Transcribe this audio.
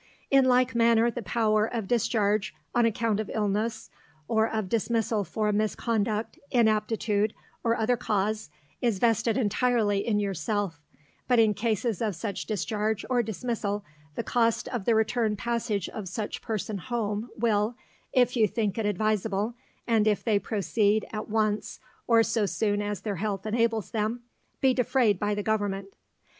In like manner the power of discharge on account of illness or of dismissal for misconduct, inaptitude, or other cause, is vested entirely in yourself; but in cases of such discharge or dismissal the cost of the return passage of such person home will, if you think it advisable and if they proceed at once or so soon as their health enables them, be defrayed by the Government.